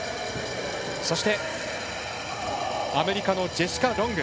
そしてアメリカのジェシカ・ロング。